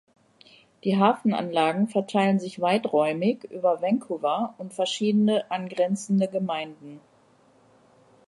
Die Hafenanlagen verteilen sich weiträumig über Vancouver und verschiedene angrenzende Gemeinden.